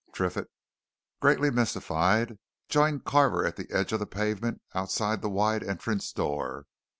Triffitt, greatly mystified, joined Carver at the edge of the pavement outside the wide entrance door.